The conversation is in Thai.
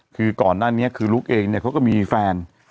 คือก่อนหน้านี้คือลุกเองเนี่ยเขาก็มีแฟน